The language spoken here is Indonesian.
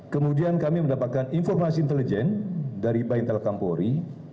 kemudian kami mendapatkan informasi intelijen dari bapak intelkam polri